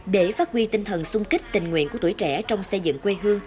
để phát huy tinh thần sung kích tình nguyện của tuổi trẻ trong xây dựng quê hương